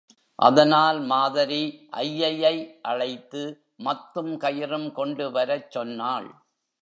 அதனால் மாதரி ஐயையை அழைத்து மத்தும் கயிறும் கொண்டு வரச் சொன்னாள்.